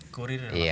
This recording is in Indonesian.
courier dan makanan